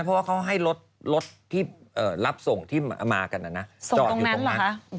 เพราะว่าเขาให้รถที่รับส่งที่มากันนะนะส่องตรงนั้นเหรอคะ